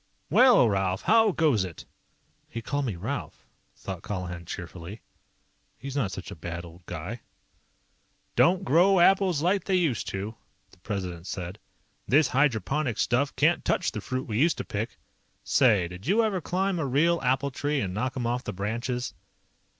"Well, Ralph how goes it?" He called me Ralph, thought Colihan cheerfully. He's not such a bad old guy. "Don't grow apples like they used to," the President said. "This hydroponic stuff can't touch the fruit we used to pick. Say, did you ever climb a real apple tree and knock 'em off the branches?"